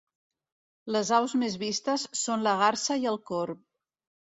Les aus més vistes són la garsa i el corb.